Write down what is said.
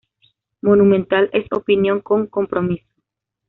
Monumental es Opinión con compromiso.